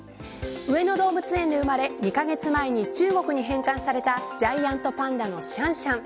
上野動物園で生まれ２カ月前に中国に返還されたジャイアントパンダのシャンシャン。